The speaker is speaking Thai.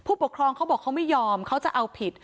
ปกครองเขาบอกเขาไม่ยอมเขาจะเอาผิด